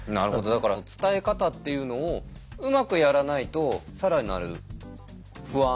だから伝え方っていうのをうまくやらないと更なる不安を増幅させちゃうことには。